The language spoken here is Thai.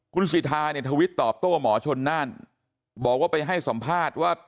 คุณสิทธาเนี่ยทวิตตอบโต้หมอชนน่านบอกว่าไปให้สัมภาษณ์ว่า